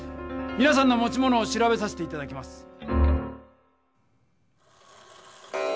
みなさんの持ち物を調べさせていただきます！